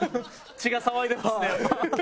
血が騒いでますね。